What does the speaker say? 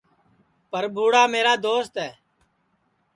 برپھوئاڑا میرا دوست ہے